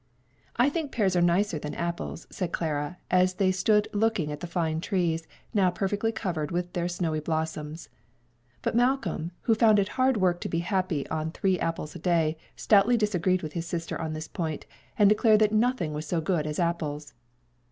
"I think pears are nicer than apples," said Clara as they stood looking at the fine trees, now perfectly covered with their snowy blossoms. But Malcolm, who found it hard work to be happy on three apples a day, stoutly disagreed with his sister on this point, and declared that nothing was so good as apples.